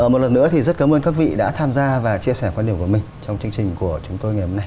một lần nữa thì rất cảm ơn các vị đã tham gia và chia sẻ quan điểm của mình trong chương trình của chúng tôi ngày hôm nay